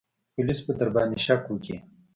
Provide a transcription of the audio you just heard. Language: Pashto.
پوليس به درباندې شک وکي.